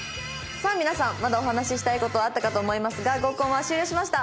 さあ皆さんまだお話ししたい事あったかと思いますが合コンは終了しました。